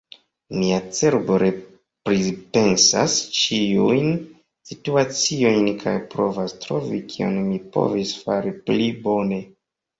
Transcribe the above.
Mia cerbo repripensas ĉiujn situaciojn, kaj provas trovi kion mi povis fari pli bone.